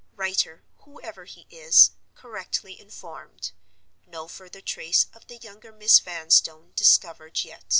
Writer, whoever he is, correctly informed. No further trace of the younger Miss Vanstone discovered yet."